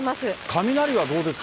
雷はどうですか。